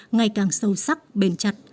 ngày càng sâu sắc bền chặt